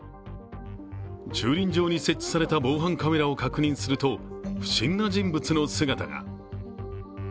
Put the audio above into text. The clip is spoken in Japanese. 駐輪場に設置された防犯カメラを確認すると不審な人物の姿が。